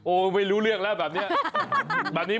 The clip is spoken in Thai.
ไม่รู้เรื่องแล้วแบบนี้